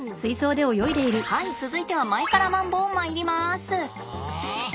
はい続いては前からマンボウまいります！